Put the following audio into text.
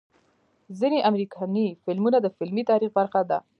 ځنې امريکني فلمونه د فلمي تاريخ برخه ده